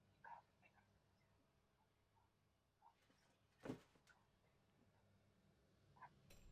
Microsoft amplía las capacidades de Microsoft Project con "Project Server" y "Project Web App".